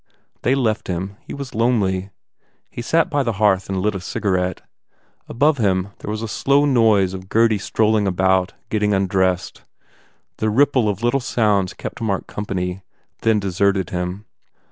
They left him. He was lonely. He sat by the hearth and lit a cigarette. Above him there was a slow noise of Gurdy strolling about, getting undressed. The ripple of little sounds kept Mark company, then deserted him.